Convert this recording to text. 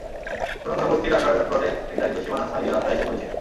কোনো কোনো বস্তির আকার প্লটের নির্ধারিত সীমানা ছাড়িয়ে রাস্তায় এসে পড়েছে।